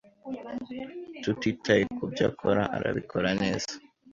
Tutitaye kubyo akora, arabikora neza.